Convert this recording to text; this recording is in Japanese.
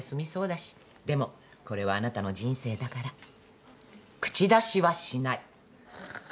でもこれはあなたの人生だから口出しはしない。